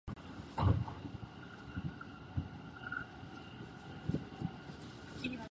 でも、そのうちメッセージを受信しそうな気配があった